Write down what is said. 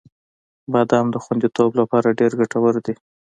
• بادام د خوندیتوب لپاره ډېر ګټور دی.